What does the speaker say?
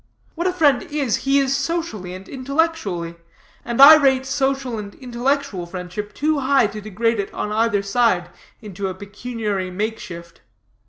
What a friend is, he is socially and intellectually; and I rate social and intellectual friendship too high to degrade it on either side into a pecuniary make shift.